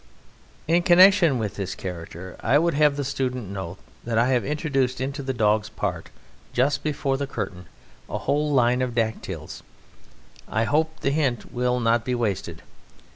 In connexion with this character I would have the student note that I have introduced into the dog's part just before the curtain a whole line of dactyls. I hope the hint will not be wasted.